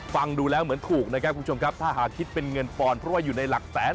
ฟังดูแล้วเหมือนถูกนะครับคุณผู้ชมครับถ้าหากคิดเป็นเงินปอนด์เพราะว่าอยู่ในหลักแสน